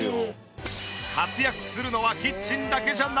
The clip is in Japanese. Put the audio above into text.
活躍するのはキッチンだけじゃない。